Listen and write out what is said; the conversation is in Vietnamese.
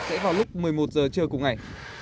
sẽ vào lúc một mươi một giờ trưa cùng ngày